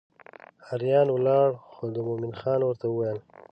اریان ولاړ خو مومن خان ورته وویل.